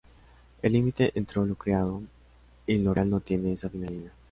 El límite entre lo creado y lo real no tiene esa fina línea".